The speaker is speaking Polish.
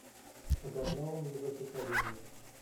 "Ogarnęło mnie zaciekawienie."